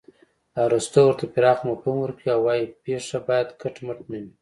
ارستو ورته پراخ مفهوم ورکوي او وايي پېښه باید کټ مټ نه وي